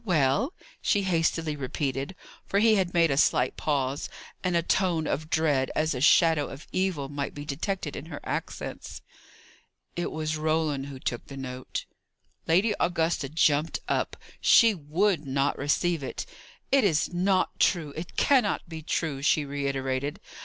well?" she hastily repeated for he had made a slight pause and a tone of dread, as a shadow of evil, might be detected in her accents. "It was Roland who took the note." Lady Augusta jumped up. She would not receive it. "It is not true; it cannot be true!" she reiterated.